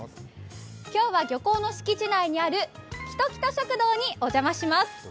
今日は漁港の敷地内にあるきときと食堂にお邪魔します。